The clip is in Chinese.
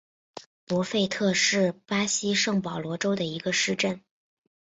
博费特是巴西圣保罗州的一个市镇。